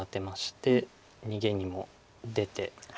逃げにも出て。